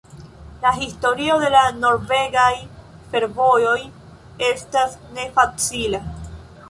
La historio de la norvegaj fervojoj estas ne facila.